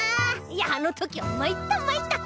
いやあのときはまいったまいった！